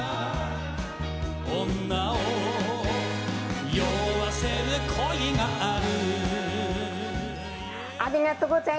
「女を酔わせる恋がある」